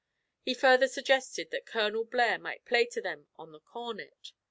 He further suggested that Colonel Blare might play to them on the cornet.